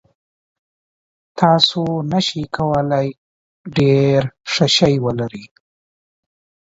تاسو نشئ کولی ډیر ښه شی ولرئ.